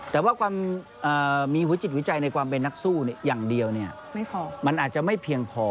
แต่ว่ามีหัวจิตหัวใจในความเป็นนักสู้อย่างเดียวมันอาจจะไม่เพียงพอ